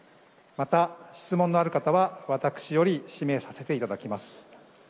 また、質問のある方は、私より指名させていただきます。